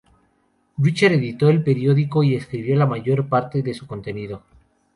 Richer editó el periódico y escribió la mayor parte de su contenido.